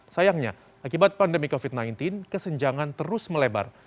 sayangnya akibat pandemi covid sembilan belas kesenjangan terus melebar